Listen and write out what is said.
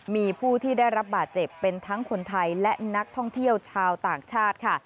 มีผู้ที่ได้รับบาดเจ็บเป็นทั้งคนไทยและนักท่องเที่ยวชาวต่างชาติค่ะ